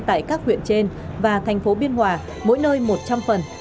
tại các huyện trên và thành phố biên hòa mỗi nơi một trăm linh phần